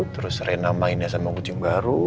terus rena mainnya sama kucing baru